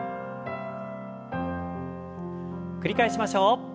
繰り返しましょう。